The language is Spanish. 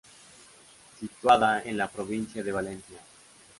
Situada en la Provincia de Valencia.